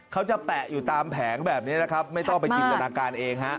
เขาจะแปะอยู่ตามแผงแบบนี้นะครับไม่ต้องไปจินตนาการเองฮะ